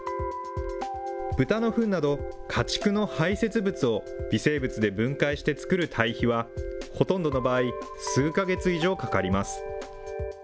豚のふんなど、家畜の排せつ物を微生物で分解して作る堆肥は、ほとんどの場合、数か月以上かかります。